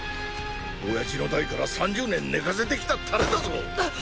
親父の代から３０年寝かせてきたタレだぞ。